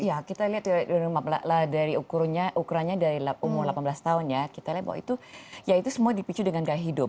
ya kita lihat dari ukurannya dari umur delapan belas tahun ya kita lihat bahwa itu ya itu semua dipicu dengan gaya hidup